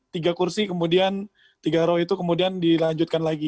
tiga kursi kemudian tiga row itu kemudian dilanjutkan lagi